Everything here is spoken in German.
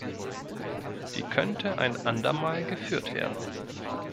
Die könnte ein andermal geführt werden.